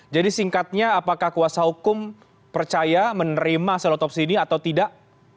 jadi singkatnya apakah kuasa hukum percaya menerima selotopsi ini atau tidak